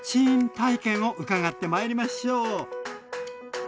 体験を伺ってまいりましょう！